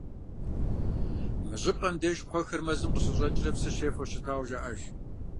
Мы щӀыпӀэм деж кхъуэхэр мэзым къыщыщӀэкӀрэ псы щефэу щытауэ жаӀэж.